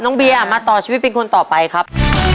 เบียร์มาต่อชีวิตเป็นคนต่อไปครับ